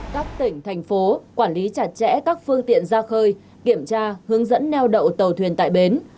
các tỉnh thành phố quản lý chặt chẽ các phương tiện ra khơi kiểm tra hướng dẫn neo đậu tàu thuyền tại bến